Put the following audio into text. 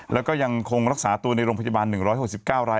แล้วก็ยังคงรักษาตัวในโรงพยาบาล๑๖๙ราย